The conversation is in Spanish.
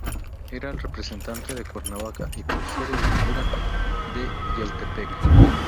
Era el representante de Cuernavaca, por ser el cura de Yautepec.